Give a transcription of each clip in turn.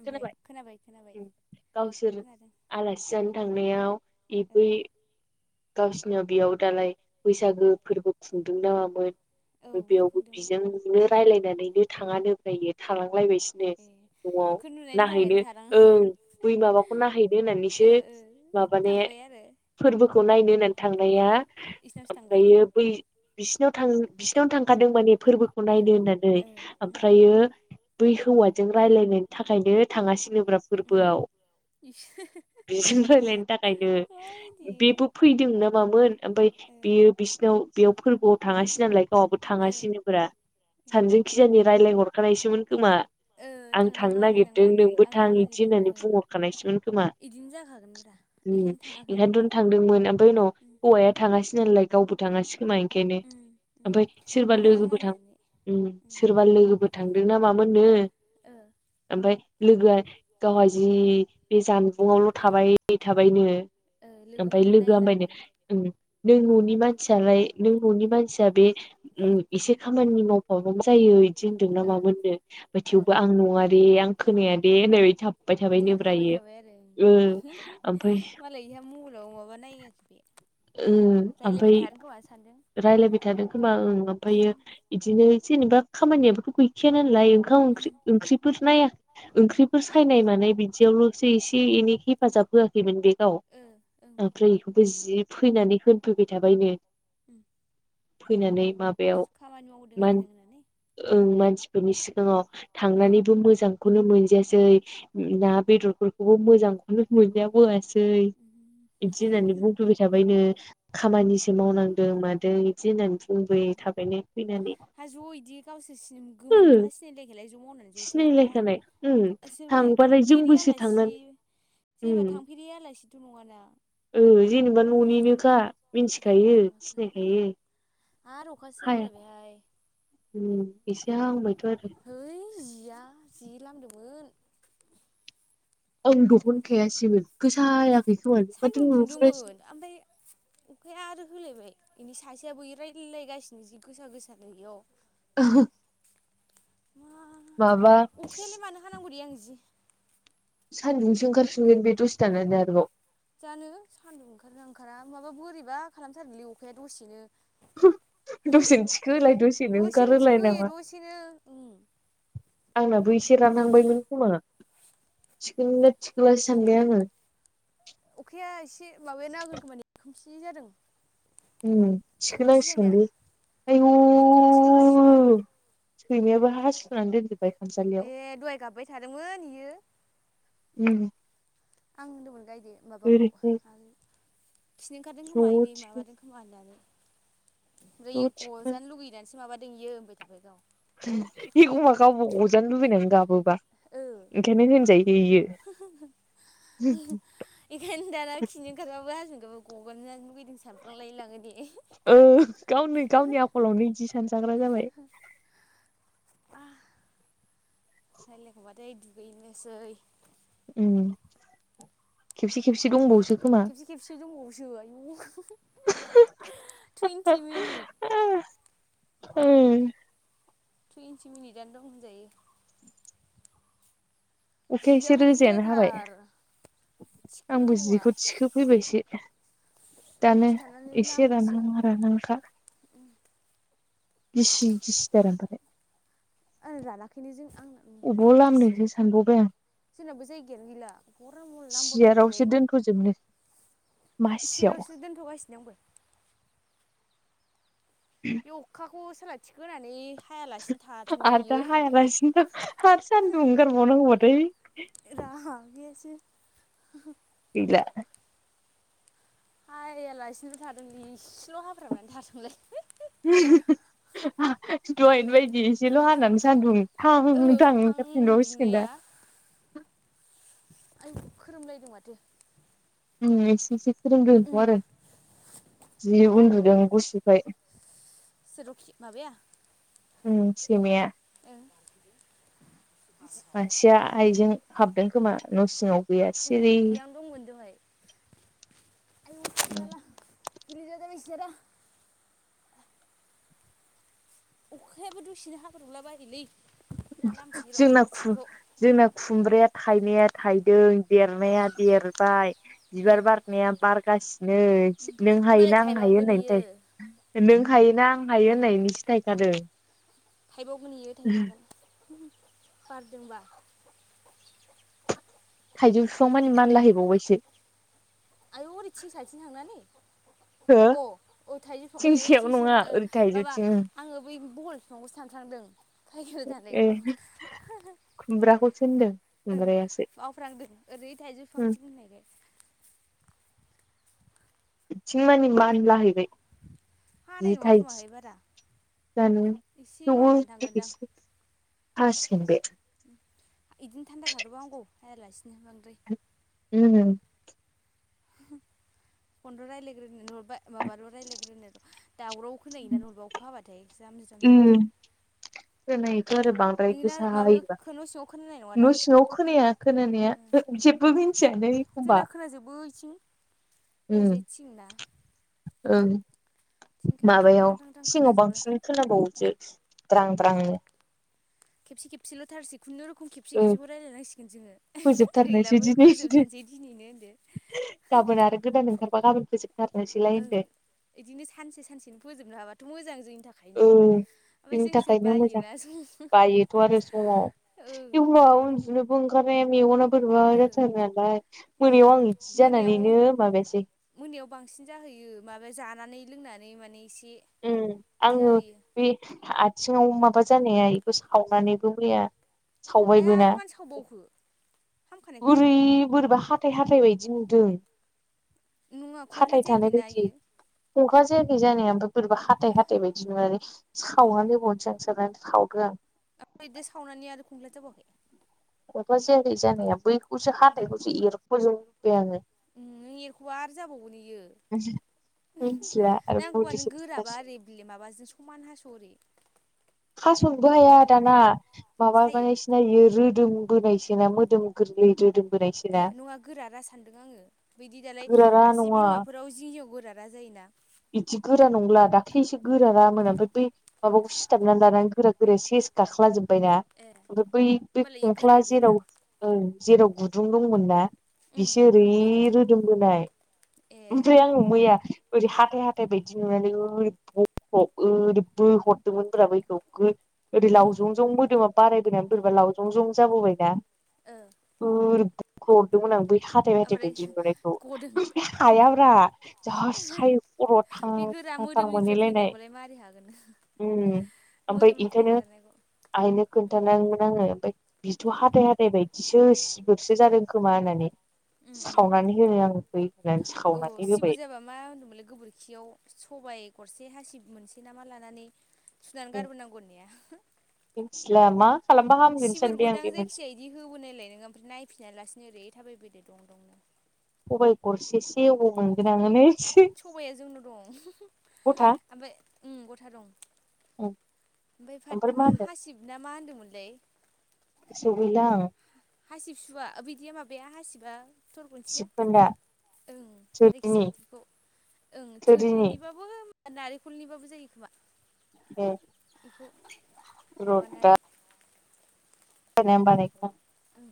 ओमफ्राय खोनाबाय खोनाबाय उम गावसोर खोनादों आलासि जानो थांनायाव ओ एबोै गावसिनियाव बेयाव दालाय बैसागो फोरबो खुंदों ना मामोन औ ओमफ्राय बेयावबो खुंदोंमोन। बिजों नो रायलायनानैनो थाङानो ओमफायो थालांलायबायसो ए बेखौ नुनायनि थाखायनो ओं बै थालां माबाखौ नायहैनो ओ होननानैसो ओ माबानाया थांबाय आरो फोरबोखौ नायनो होननानै थांनाया इसिनावसो थांबाय ओमफ्रायो बै बिसिनाव थां बिसिनावनो थांखादों माने फोरबोखौ ओ नायनो होननानै ओ ओमफ्रायो बै हौवाजों रायलायनायनि थाखायनो थाङासैनो ब्रा उम फोरबोआव इस बिजों रायलायनो थाखायनो बायदि बेबो फैदों नाामामोन ओमफ्राय ओ बेयो बिसिनाव बेयाव फोरबोआव थाङासै नालाय गावहाबो ओ थाङासैनो ब्रा सानजों खिजानि रायजलाय हरखानायसोमोन खोमा ओ आं थांनो थांनाङा आरि नाङा नागिरदों होननानै नोंबो आं थां थांनो इदि नागिरदों ओ होननानै बुंहरखानायसोमोन खोमा इदिनो जाखागोनब्रा उम बेखायनो थाङाखै ओंखायनोथ' थांदोंमोन ओमफ्राय उनाव इयो हौवाया थाङासै नालाय गावबो थाङासै खोमा ओंखायनो उम उम ओमफ्राय सोरबा थांनाङा लोगोफोर थां होननानै उम सोरबा लोगोफोर थांदों ना मामोननो ओ ओमफ्राय लोगोआ गावहा जि बे जानबुंआवल' थाबाय थाबायनो ओ ओमफ्राय लोगोखौनो नायला लोगोआमनो आरो उम नों उम न'नि मानसियालाय नों न'नि मानसिया बे उम एसे खामानि मावफा हैबा मा जायो बिदि होनदों ना मामोननो ओमफाय थेवबो आं नङा दे आं खोनाया दे होननायबादि थाब थाफ्लाबाय थाबाय आरो ओमफ्राय मालायहा मबाइलाव माबा नायाखै बे ओ रायलायबाय आमफ्राय थागोन खोमा सानदों रायलायबाय थादों खोमा ओं उम ओमफ्रायायो उम बिदिनो जेनेबा खामानियाबोथ' गै गैखाया नालाय ओंखाम ओंख्रि उम ओंख्रिफोर नाया ओंख्रिफोर सायनाय मानाय बिदियावल' एसे एनै हेफाजाब होआखैमोन बे गाव ओ ओं ओमफ्राय बेखौबो जि फैनानै होनफैबाय थाबायनो ओम फैनानै माबायाव आरो मान जों होननानै ओं मानसिफोरनि सि गाङाव मोजांखौनो मोनजायासै ना थांनानैबो मोजां खौनो मोनजायासै ना बेदरफोरखौबो मोजांखौनो मोनजाबोआसै सै जोंना बिदि होननानै बुंफैबाय थाबायनो खामानिसो मावनांदों मादों बिदि होननानै उम बुंबाय थाबायनो फैनानै हा ज' इदि गावसोर सिम ओ गोमोनखा सिनायखालायना ज' मावनानै ज' जेबा सिनायलायखानाय उम सोरबा थांबालाय थांफेरि जोंबोसो आलासि थांनानै उम जेबा थांफेरि आलासिथ' नङाना ओ जेनेबा ओइ न'निनोखा अखा हाखो मिथिखायो ना माखो सिनायखायो आरो अखासो हाया हालायबायहाय उम इसे हांबायथ' आरो हैइ जिया जि लामदोंमोन आं दहुन खायासैमोन गोसा हायाखै खोमा सान्दुं माथो नुहुरासै दुंदोंमोन ओमफ्राय अखाया आरो होलायबाय बिनि सासेयाबो रायज्लायगासिनो जि गोसा गोसानो इयाव ओ मा अखायालाय मानो हानांगौ दे आं जि सान्दुंसो ओंखारफिनगोन बे दसे थानानो आरोबाव जानो सान्दुं ओंखारोना ओंखारा माबा बोरैबा खालामथारोलै अखाया दसेनो दसेनो थिखोलाय दसेनो ओंखारहोलाय थिखो होयो नामा दसेनो उम आंनाबो एसे रानहांबायमोन खोमा थिखोनोनो थिखोलासो सानबाय आङो अखाया एसे माबाया हागोन खोमा नै खोमसि जादों ओम खोमसि थिखोनांसिगोन जानाया लै आयु थिखोगासिनो आंबो सैमायाबो हासुनानै दोनदों ए दहाय गाबबाय थादोंमोन बियो ओम आं होनदोंमोन गायदे माबाखौ ओरैनो आरो खिनो ओंखारदों खोमा ज' इनै थिखो माबादों खोमा होननानै ओमफ्राय ज' गजानो थिखोनानै लुगैनानैसो माबादों इयो होनबाय थाबाय गाव एखमा गावबो गजानो लुबैनानै गाबोबा ओ ओंखायनो होनजायो दै इयो इखायनो दाना खिनि ओंखारबाबो हासुनो ओंखारबानो गगारजानो लुबैदों सानफ्लांलाय लाङो दे ओ गावनो गावनि आखलावनो इदि सानजाग्रा जाबाय रायलायखांबाथाय दुगैनोसै खेबसे खेबसे दंबावोसो खोमा खेबसे खेबसे दंबावोसो आयं टुइन्टि मिनिट [unintelligible] टुइन्टि मिनिटआनो दं होनजायो अखाया एसे जियाबो रोजायानो हाबाय बुरजाथार आंबो थिखोनांगौआ जिखौ थिखो फैबायसो दानो दसे थानानै एसे लामनोसै रानहांहां रानहांखा गिसि गिसि [unintelligible] रानाखैनो जों आंना अबाव गिसि लामनोसो सानबावबाय आं जोंनाबो जायगायानो गैला [unintelligible] अबाव सियारावसो लामबावनांगौथाय दोनथ'जोबनो मासियाव सेरावसो दोनथ'गासिनो आंबो बे अखाखौ सोलाथिखो होनानै हायालासिनो थाथोंलै आरो इयो दा हायालासिनो आरो सान्दुं ओंखारबावनांगौबाथाय रागायासो [unintelligible] हायालासिनोबो थादों इसेल' हफ्रामनानै थाथोंलाय दहायनि बायदि एसेल' हानानै सानदुं थां थां ओं थां ओंखारफिनबावसिगोन दुंनाया दा आयौ खोरोमलायदों माथो एसे एसे खोरोमदोंथ' उम आरो जि आदै उन्दुदों गुसुखाय सोर रुखि माबाया सैमाया ओं [unintelligible] मासेया आइजों हाबदों खोमा न' सिङाव गैया उम सिरि इयावनो दंमोन दहाय आयौ थिखोनो हाला गिलिर जाथारबाय सियारा अखायाबो दसेनो हाब्रबलाबायोलै दा लामसै र' जोंना खु जिखौ जोंना खुमब्राया थाइनाया थाइदों देरनाया देरबाय ओ बिबार बारनाया बारगासिनो नों मालाय हायोना आं हायो थाइबावगोन होननायनायनि इयो थाय नों हायोना आं हायो होननायनि सो थायखादो थाइबावगोन इयो थाइबावगोन बारदोंबा थाइजौ बिफां माने मानलाहैबावबायसो आयौ ओरै थिं साथिं थांनानानै हो अ औ थाइजौ ओइ थिंसेयाव नङा ओइथिंसोना ओ ओरै माबा थाइजौथिं आङो बै बहल बिफांखौसो सानफ्रांदों [unintelligible] ए जानायखौ खुमब्राखौसो होनदों ओं खुमब्रायासो बावफ्रांदों ओरै थाइजौ फिफांथिं होननायखाय बिथिं मानि मानलाहैबाय हानाय जि नङा थाइ खोमाहाय बारा जानो एसेल' हानानै थांगोनदां [unintelligible] हासिगोन बे इदिनो थान्दा थाथ'बा हामगौ हायालासिनो बांद्राय [unintelligible] [unintelligible] फन ल' रायज्लायग्रोनो [unintelligible] माबा माबाल' रायलायग्रोनो दावराव खोनायो ना नहलेबा अखा हाबा ज्राम ज्रुम उम होबा थाय खोनायोथ' आरो बांद्राय नोंना गोसा माबायाव हायोब्ला न सिङाव खोनानाय नङा न' सिङाव खोनाया खोनानाया जेबो मिन्थियानो एख'मबा जोबो इथिं उम ओरैजाय थिंला ओं थां थां माबायाव थां थां सिङाव खोनाजोबो बांसिन खोनाबावोसो द्रां द्रांनो खेबसे खेब खेबसेल' थारसै खुनुरुखुम खेबसे ओ खेबसेखौ रायलायनांसिगोन जोङो फोजोबथारनोसै गैलाबो दिनै होनदो फोजोबथारनिसै दिनैनो होनदो गाबोन आरो गोदान ओंखारबा गाबोन फोजोब ओं इदिनो सानसे सानसेनो फोजोबनो हाबाथ' मोजां जोंनि ओ थाखायनो ओमफ्राय बिनि जोंसो थाखायनो मोजां बायोना जों बायोथ' आरो समाव ओं [unintelligible] उन्दुनो बो ओंखारनाया मेगना बोरैबा ओ जाथारो नालाय उम मोनायाव आं इदि मोनायाव जानानैनो माबायासै मोनायाव बांसिन जाहैयो माबा जानानै लोंनानै माने इसे ओम आङो बे आथिङाव माबा जानाया इखो सावनानैबो मैया आइया सावबायबो ना आरो मानो सावबावखो हामखानायखौलाय गुरै बोरैबा हाथ हाथाय बायदि नुदों नङा खंख्ला हाथाय थानाय जायाखैना बायदि इयो अंखा जायाखै जानाया ओमफा हाथाइ हाथाइ बायदि नुनानै सावनानै बहननोसै आं साननानै सावदो आं ओमफाय बिदि सावनानै आरो खुंख्ला जाबावाखै अबा जायाखै जानाया बैखौसो हाथायखौसो एरख'जोबबाय आङो ओम नों एरख'वा आरो जाबावगोन इयो मिथिला आरो नांगौबा नों मुलिसो गोराबा फुननांसिगोन ओरै बिलि माबाजो समान हास'ओरै हास'नोबो हाया दाना सायो माबाबाय सिनायो रोदोम बोनायसो ना मोदोम गोरलै रोदोम बोनायसोना नङा गोरारा सानदों आङो बैदि दालाय गोरारा आसि नङा बिमाफोराव जिंजिङाव गोरारा जायोना बिदि गोरा नंला दाख्लैसो गोरारामोन ओमफाय बै माबाखौ सिथाबनानै लानानै गोरा गोराया सेस गाखलाजोब्बाय ना ए ओमफाय बै बे होमबालाय खंख्ला गोराया गैला जेराव ओं जेराव गुदुं दंमोन ना उम बिसो ओरै रोदोमबोनाय ए ओमफ्राय आं मैया ओरै हाथ हाथाय हाथाय बायदि नुनानै ओरै बख' ओरै बोहरदोंमोन ब्रा बैखौ गो ओरै ओ लावजंजं मोदोमा बारायबोनानै बोरैबा लावजंजं जाबोबायना ओरै बख' हरदोंमोन आं बै हाथाय हाथाय ओमफ्राय बायदि नुनायखौ गदों हायाब्रा जा सायो खर'आव थां बै गोरा थां थां मोदोमनिफ्राय मोनहैलायनाय फैनायखौलाय मारै हागोन मोदोमनिफ्राय ओंखारनायखौ आयनो खोन्थानायमोन आङो ओमफाय बिथ' हाथाय हाथाय बायदिसो सिबोरसो जादों खोमा होननानै सावनानै होनो आङो [unintelligible] अ सिबोर जायाबा मा होन्दोंमोनलाय गोबोरखियाव सबाय गरसे हासिब मोनसे नामा लानानै सुनानै गारबोनांगौ होननाया मिनथिला मा खालामबा हामगोन सो सानबाय आं से मोनसेखौ बिदि होबोनायलाय नोङो ओमफ्राय नायफिना लासिनो ओरै थाबायबोदो दं दंनो सबाइ गरसेसे अबाव मोनगोन आङो नै सबाया जोंनाव दं गथा ओमफाय ओम गथा दं। ओमफाय फाथ ओमफ्राय मा होनदों हासिब ना मा होनदोंमोनलै गोसोआव गैला आं हासिब सुवा ओ बैदिया माबाया हासिबा थर गथिया सिबखोन्दा ओं जायखिजाया थोरिनि बिदिखौ ओं थोरिनि थोरिनिबो थ होना नारेंखलनिबाबो जायो खोमा? ए बेखौ र' माबानानै ने बानाय ओं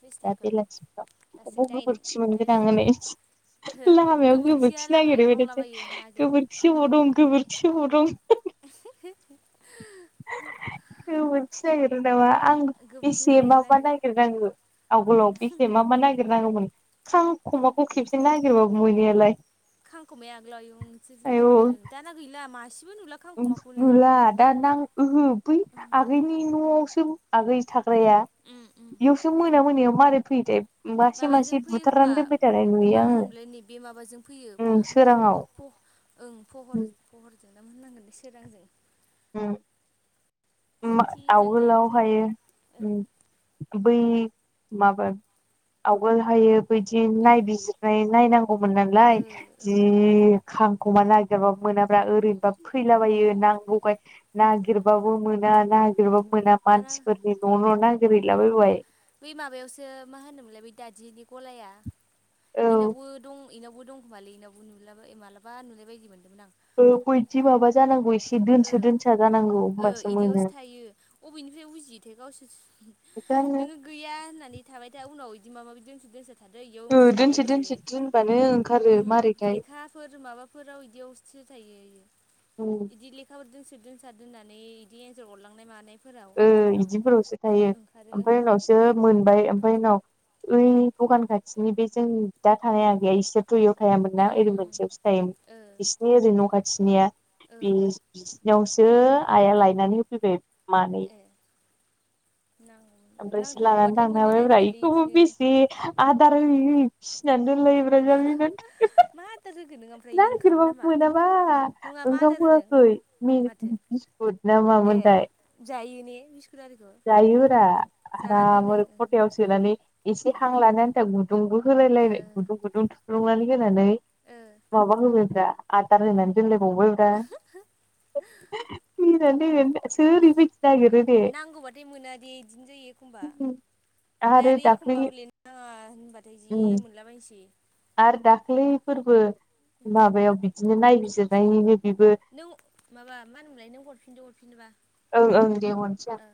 बेसे दा थांखो बेलासिफ्राव दासो ब दाइन गोबोरखि दाइन मोनगोन आङो मिनिट नै हो लामायाव गोबोरखिया गोबोरखि लामायाव नागिरो दंलाबायो बेरायनोसै नागिर गोबोरखि अबाव दं गोबोरखि अबाव दं। [unintelligible] गो मोनथि नागिरो नामा आं गोबोरखि एसे नागिर मा मा नागिर ङो आवगोलाव बेसे मा मा नागिरनांगोमोन। खांखमाखौ खेबसेनो नागिरबाबो मोनियालाय। खांखुमाया आगोलावय नसो जि दंमोन नों दाना गैला मासेबो नुला। खांखमाखौनो नुला दा नां ओहो बै आगैनि न'आवसो आगै थाग्राया उम उम इयावसो मोना मोनायाव मारै फैयोथाय? मासे माबाजों मासे फैयो खोमा बुथारनानै दोनबाय थानाय नुयो मा आङो होनोमोनलै नैबे माबाजों फैयो उम मा सोराङाव होनोमोनलै? ओं फहर फहरजों ना होननांगोन दे सोरांजों। जोंथि जोंनायाव आवगोलाव फैयो हायो। ओं बै माबा आवगोल हायो। बिदि ओ नायबिजिरनाय नायनांगौमोन नालाय ओ ओं जि खांखमा नागिरबाबो मोनाब्ला ओरैनोबा फैलाबायो नांगौाय निर नागिरबाबो मोना नागिरबाबो मोना दाना मानसिफोरनि न' न' नागिरहैलाबायबाय। बै माबायावसो मा होनोमोनलाय बै दादिनि गलाया औ बेनावबो दं इनावबो दंखोमालै बेनावबो नुला माबलाबा नुनाय बायदि मोनदोंमोन आं। गयथि बाबा जानांगौ गय ओ ओ बिदियावसो थायो अबेनिफ्राय उजियैथाये गावसोर बे नोङो गैया होननानै थाबाय था उनाव बिदि माब माबायदि दोनथोदोंसै? थादो इयाव उजिबाय दोनसे दोनसे दोनबानो ओंखारो बेसो मारैथाय लेखाफोर माबाफोर फोराव बिदियावस्रि थायो। उम बिदि लेखाफोर दोंस दोनसार दोननानै बिदि एन्जर अरलांनाय मानाय उम बिदिफोरावसो थायो ओं ओमफ्राय उनावसो मोनबाय ओमफ्राय उनाव उम ओइ दखान खाथिनि बे जों दा थानाय आगैया इसोर याव थायामोन नना उम ओरै उम मोनसेयावसो थायोमोन ओ बिसिनि ओरै न' खाथिनिया ओ बिसिनावसो आइआ लायनानै होफैबाय मानै। नांगौ ओमफ्रायसो लानानै नांथारगौबाथाय थांनो मोननो हाबायब नागिरालै बेखौबो इदिनो बेसे आदार हो फिसिनानै दोनलायब्र जाबायमोन। मा आदार होखो नों ओमफ्राय ओंखाम नामा नागिरबाबो मोनाबा नङा मा ओंखाम आदार होदों होआखै गुद ना मामोनथाय? जायनि [unintelligible] जायोरा आराम दोनो आरो खथायाव सोनानै। एसे ओ हां लानाय आथा गुदुंबो होलाय ओ लायबाय गुदुं गुदुं दुदुं थुखुंनानै होनानै ओ माबा होबब्रा आदार होनानै दोनलायबावबाया सोरैबायायदिनो नागिरो। दे नांगौबाथाय मोना दे बिदिनो जायो। एखमबा ओमफ्राय आरो एखमबा हले नाङा होनबाथाय जि उम मोनलाबायनोसै। आरो दाख्लै फोरबो माबायाव बिदिनो नायबिजिरनायनिनो बेबो नों माबा मा होनोमोनलाय नों हरफिनदो हरफिनोबा ओं ओं दे हरनोसै आं ओ